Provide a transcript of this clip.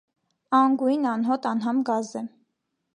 Անգույն, անհոտ, անհամ գազ է։